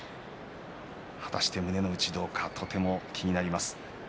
果たして胸の内はどうかとても気になります。